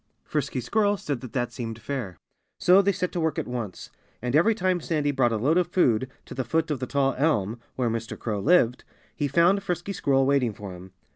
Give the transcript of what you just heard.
Frisky Squirrel said that that seemed fair. So they set to work at once. And every time Sandy brought a load of food to the foot of the tall elm, where Mr. Crow lived, he found Frisky Squirrel waiting for him.